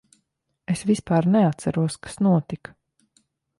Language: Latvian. Es vispār neatceros, kas notika.